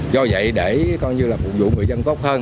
do vậy để coi như là phục vụ người dân tốt hơn